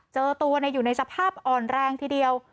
เจอตัวอยู่ในสภาพอ่อนแรงทีเดียว